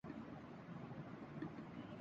یہ بچے ہمیشہ بے چین رہتیں ہیں